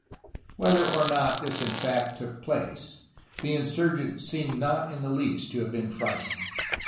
Whether or not this in fact took place, the insurgents seem not in the least to have been frightened.